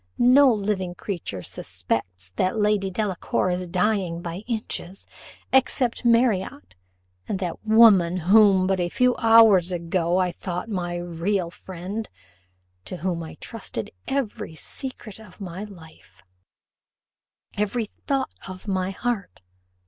No living creature suspects that Lady Delacour is dying by inches, except Marriott and that woman whom but a few hours ago I thought my real friend, to whom I trusted every secret of my life, every thought of my heart.